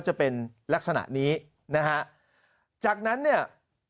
จะเป็นลักษณะนี้นะฮะจากนั้นเนี่ย